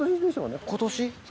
今年？